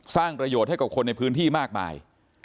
สร้างประโยชน์ให้กับคนในพื้นที่มากมาย